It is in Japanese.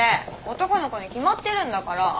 男の子に決まってるんだから。